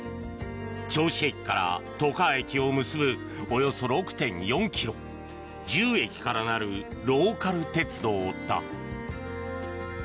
銚子駅から外川駅を結ぶおよそ６．４ｋｍ１０駅からなるローカル鉄道だ。